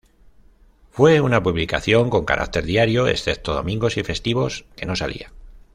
Fue una publicación con carácter diario, excepto domingos y festivos, que no salía.